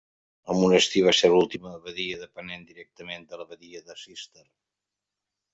El monestir va ser l'última abadia depenent directament de l'Abadia de Cister.